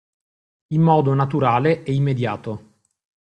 In modo naturale e immediato.